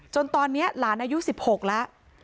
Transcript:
ตอนนี้หลานอายุ๑๖แล้ว